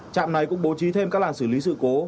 trạm này cũng bố trí thêm các làn xử lý sự cố